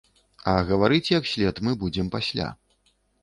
А гаварыць як след мы будзем пасля.